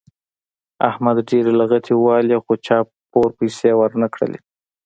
احمد ډېرې لغتې ووهلې خو چا پور پیسې ور نه کړلې.